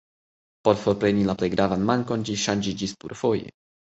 Por forpreni la plej gravan mankon ĝi ŝanĝiĝis plurfoje.